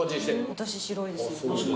私白いです。